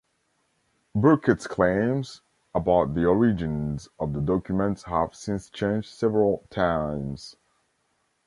Burkett's claims about the origins of the documents have since changed several times.